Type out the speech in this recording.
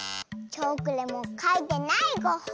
チョークでもかいてないゴッホ。